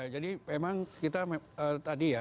jadi memang kita tadi ya